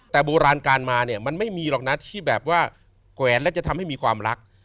แต่โบราณการมาเนี่ยมันไม่มีหรอกนะที่แบบว่าแกวนแล้วจะทำให้มีความรัก